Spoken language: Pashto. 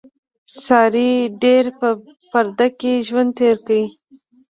سارې ډېر په پرده کې ژوند تېر کړ.